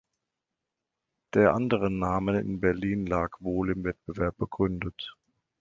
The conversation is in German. Der andere Namen in Berlin lag wohl im Wettbewerb begründet.